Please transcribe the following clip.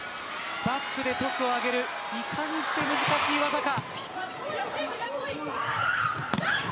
バックでトスを上げるのがいかに難しい技か。